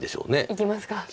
いきますか。